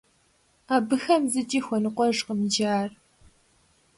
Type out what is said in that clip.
Абыхэм зыкӀи хуэныкъуэжкъым иджы ар.